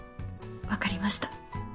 分かりました。